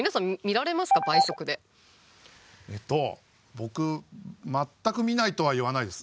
僕全く見ないとは言わないです。